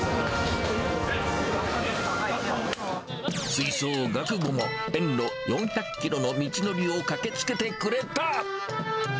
吹奏楽部も遠路４００キロの道のりを駆けつけてくれた。